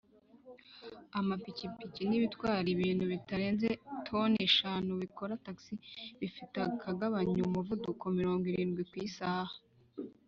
amapikipiki n’ibitwara ibintu bitarenze toni eshanu bikora taxi bifite akagabanya muvuduko mirongo irindwi ku isaha